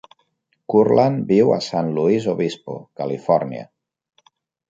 Kurland viu a San Luis Obispo, Califòrnia.